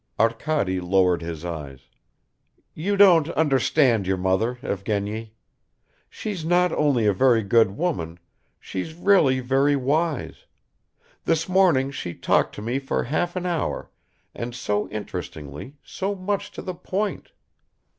Arkady lowered his eyes. "You don't understand your mother, Evgeny. She's not only a very good woman, she's really very wise. This morning she talked to me for half an hour, and so interestingly, so much to the point."